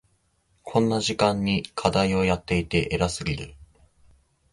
こんな時間に課題をやっていて偉すぎる。